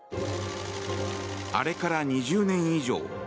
あれから２０年以上。